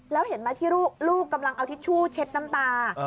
แล้วเห็นไหมที่ลูกกำลังเอาทิชชู่เช็ดน้ำตา